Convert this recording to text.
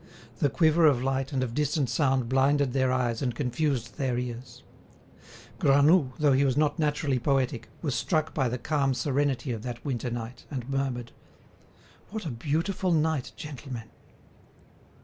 The quiver of light and of distant sound blinded their eyes and confused their ears. Granoux, though he was not naturally poetic, was struck by the calm serenity of that winter night, and murmured: "What a beautiful night, gentlemen!"